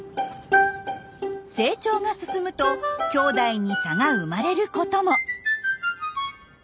成長が進むときょうだいに差が生まれることも。